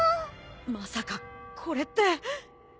まさかこれって。